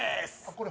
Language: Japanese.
これ